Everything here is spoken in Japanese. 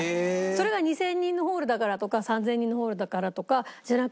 それが２０００人のホールだからとか３０００人のホールだからとかじゃなく。